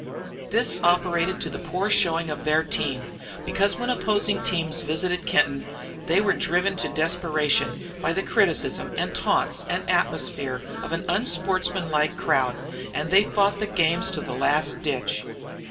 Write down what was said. This operated to the poor showing of their team, because when opposing teams visited Kenton they were driven to desperation by the criticism and taunts and atmosphere of an unsportsman like crowd, and they fought the games to the last ditch.